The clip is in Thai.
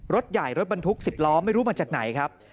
รถใหญ่รถบรรทุก๑๐ล้อไม่รู้มาจากไหนครับ